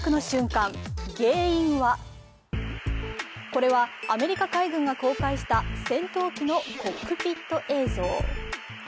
これはアメリカ海軍が公開した戦闘機のコックピット映像。